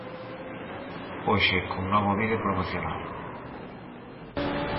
Hoxe, con novo vídeo promocional.